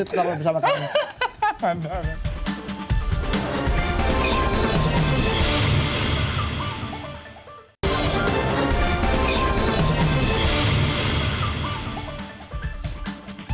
terus kita berbual bersama kalian